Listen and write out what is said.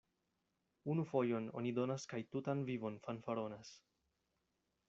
Unu fojon oni donas kaj tutan vivon fanfaronas.